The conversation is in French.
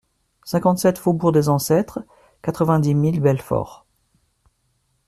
cinquante-sept faubourg des Ancêtres, quatre-vingt-dix mille Belfort